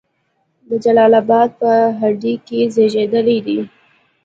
د جلال آباد په هډې کې زیږیدلی دی.